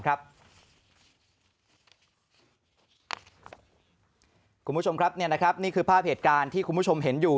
คุณผู้ชมครับนี่คือภาพเหตุการณ์ที่คุณผู้ชมเห็นอยู่